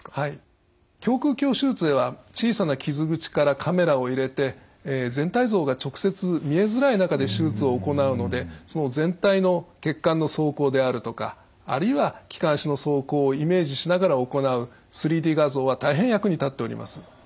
胸腔鏡手術では小さな傷口からカメラを入れて全体像が直接見えづらい中で手術を行うので全体の血管の走行であるとかあるいは気管支の走行をイメージしながら行う３Ｄ画像は大変役に立っております。